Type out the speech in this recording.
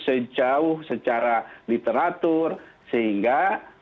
sejauh secara literatur sehingga